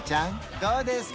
どうですか？